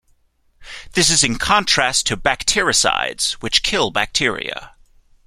This is in contrast to bactericides, which kill bacteria.